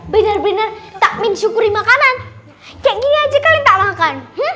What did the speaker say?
benar benar takmin syukuri makanan